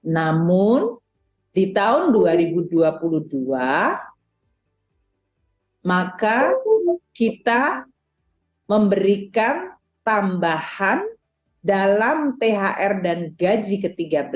namun di tahun dua ribu dua puluh dua maka kita memberikan tambahan dalam thr dan gaji ke tiga belas